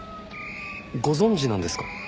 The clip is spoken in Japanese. ご存じなんですか？